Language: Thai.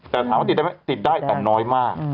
แต่ถามว่าติดได้ไหมติดได้แต่น้อยมาก